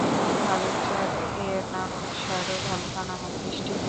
ভালুক চাঁদ এর নামানুসারে ভালুকা নামের সৃষ্টি হয়েছে।